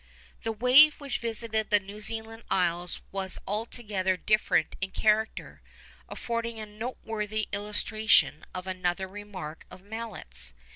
The wave which visited the New Zealand Isles was altogether different in character, affording a noteworthy illustration of another remark of Mallet's.